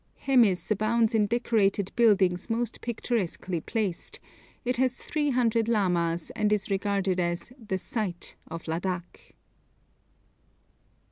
Hemis abounds in decorated buildings most picturesquely placed, it has three hundred lamas, and is regarded as 'the sight' of Ladak.